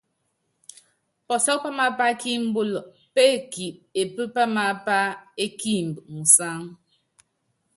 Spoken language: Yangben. Pɔsɔ́k pámaapá kí imbɔ́l péeki epé pám aápá é kiimb musáŋ.